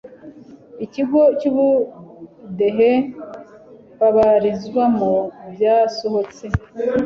ikigo cyubudehe babarizwamo byasohotse